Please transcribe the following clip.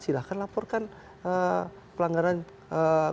silahkan laporkan pelanggaran kode itu